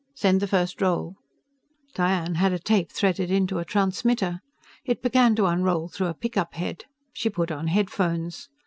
Send the first roll." Diane had a tape threaded into a transmitter. It began to unroll through a pickup head. She put on headphones.